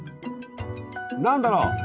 何だろう？